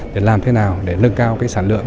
để làm thế nào để nâng cao sản lượng